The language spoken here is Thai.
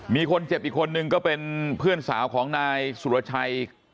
มีคนเจ็บอีกคนนึงก็เป็นเพื่อนสาวของนายสุรชัย